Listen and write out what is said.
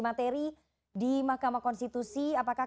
materi di mahkamah konstitusi apakah